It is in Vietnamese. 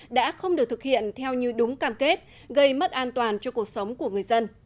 đã không được thực hiện theo như đúng cam kết gây mất an toàn cho cuộc sống của người dân